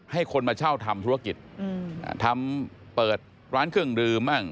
ให้คนมาเช่าทำธุรกิจทำเปิดร้านเครื่องดื่มบ้าง